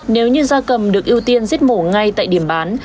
nếu như gia cầm được ưu tiên giết mổ ngay tại điểm bán